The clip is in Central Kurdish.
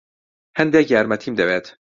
هەندێک یارمەتیم دەوێت.